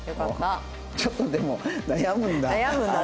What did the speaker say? ちょっとでも悩むんだ。